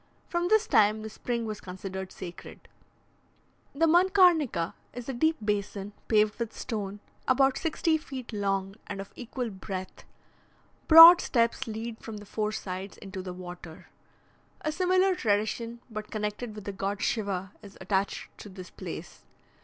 From this time the spring was considered sacred. The Mankarnika is a deep basin, paved with stone, about sixty feet long, and of equal breadth; broad steps lead from the four sides into the water. A similar tradition, but connected with the god Shiva, is attached to this place.